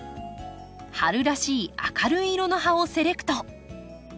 春らしい明るい色の葉をセレクト。